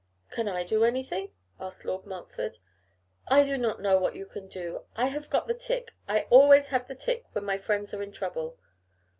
'Can I do anything?' said Lord Montfort. 'I do not know what you can do. I have got the tic. I always have the tic when my friends are in trouble.